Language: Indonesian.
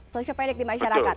social panic di masyarakat